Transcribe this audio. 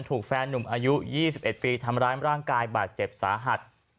ถูกแฟนหนุ่มอายุ๒๑ปีทำร้ายร่างกายบาดเจ็บสาหัส